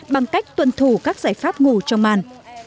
bằng cách tuân thủ các giải pháp ngủ trong màn